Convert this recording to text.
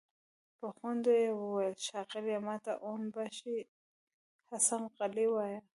په خوند يې وويل: ښاغليه! ماته اون باشي حسن قلي وايه!